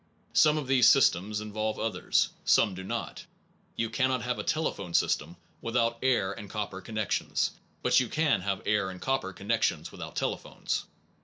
Some of these systems involve others, some do not. You cannot have a telephone system without air and copper connections, but you can have air and copper connections without telephones.